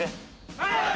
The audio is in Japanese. はい！